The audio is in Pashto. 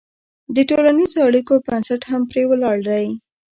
د ټولنیزو اړیکو بنسټ هم پرې ولاړ دی.